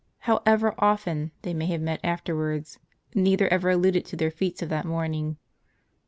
However often they may have met after wards, neither ever alluded to their feats of that morning.